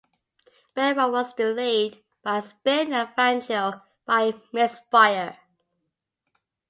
Behra was delayed by a spin and Fangio by a misfire.